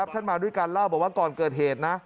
ท่านมาด้วยกันเล่าบอกว่าก่อนเกิดเหตุนะ